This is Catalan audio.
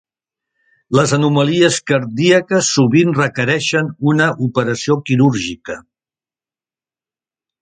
Les anomalies cardíaques sovint requereixen una operació quirúrgica.